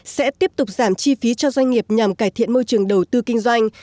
sẽ tiếp tục giảm chi phí cho doanh nghiệp nhằm cải thiện môi trường đầu tư kinh doanh